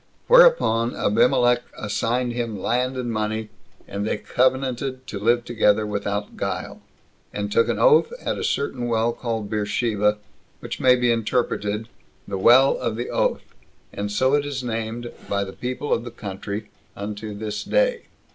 Whereupon Abimelech assigned him land and money; and they coventanted to live together without guile, and took an oath at a certain well called Beersheba, which may be interpreted, The Well of the Oath: and so it is named by the people of the country unto this day.